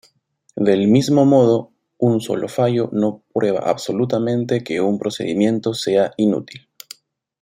Del mismo modo, un solo fallo no prueba absolutamente que un procedimiento sea inútil.